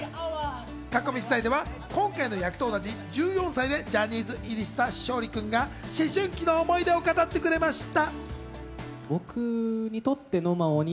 囲み取材では今回の役と同じ１４歳でジャニーズ入りした佐藤さんが思春期の思い出を語ってくれました。